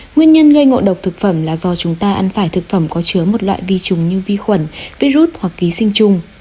nguyên nhân gây ngộ độc thực phẩm là do chúng ta ăn phải thực phẩm có chứa một loại vi trùng như vi khuẩn virus hoặc ký sinh trùng